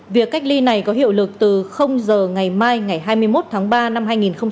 việc cách ly này có hiệu lực từ giờ ngày mai ngày hai mươi một tháng ba năm hai nghìn hai mươi